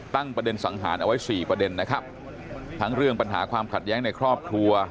ตั้งประเด็นสังหารเอาไว้สี่ประเด็นนะครับทั้งเรื่องปัญหาความขัดแย้งในครอบครัว